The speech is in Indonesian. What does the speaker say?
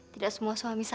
tidak semua suami sama